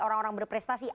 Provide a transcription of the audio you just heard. orang orang berprestasi apa